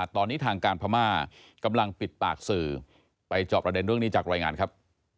ตอนนี้ทางการพม่ากำลังปิดปากสื่อไปจอบประเด็นเรื่องนี้จากรายงานครับ